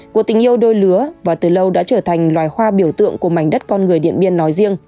của tình yêu đôi lứa và từ lâu đã trở thành loài hoa biểu tượng của mảnh đất con người điện biên nói riêng